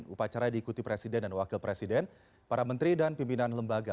upacara diikuti presiden dan wakil presiden para menteri dan pimpinan lembaga